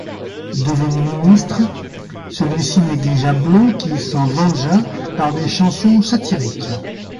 Devenu ministre, celui-ci négligea Blot qui s’en vengea par des chansons satiriques.